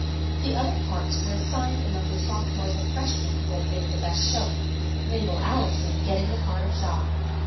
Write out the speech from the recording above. The other parts were assigned among the sophomores and freshmen who had made the best showing, Mabel Allison getting the part of Jaques.